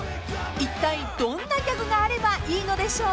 ［いったいどんなギャグがあればいいのでしょう？］